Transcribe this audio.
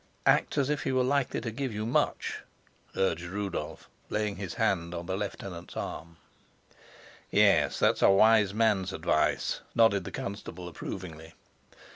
"Act as if he were likely to give you much," urged Rudolf, laying his hand on the lieutenant's arm. "Yes, that's a wise man's advice," nodded the constable approvingly.